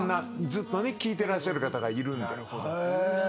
ずっと聴いてらっしゃる方がいるんで。